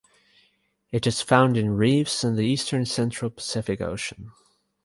It is found in reefs in the eastern central Pacific Ocean.